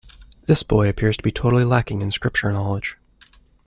This boy appears to be totally lacking in Scripture knowledge.